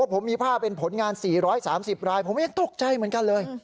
ผมมีภาพเป็นผลงาน๔๓๐รายผมเองตกใจเหมือนกันเลย